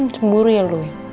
sembur ya lu